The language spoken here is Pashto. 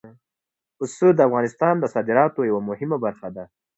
پسه د افغانستان د صادراتو یوه مهمه برخه ده.